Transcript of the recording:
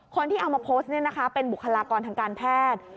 คนที่เอามาโพสต์เป็นบุคลากรทางการแพทย์